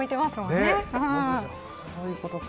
そういうことか。